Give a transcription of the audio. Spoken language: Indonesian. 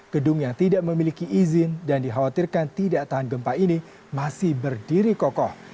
gedung yang tidak memiliki izin dan dikhawatirkan tidak tahan gempa ini masih berdiri kokoh